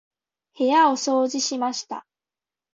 部屋を掃除しました。